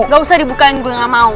gak usah dibukain gue gak mau